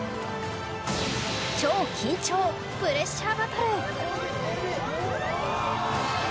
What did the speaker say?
超緊張プレッシャーバトル！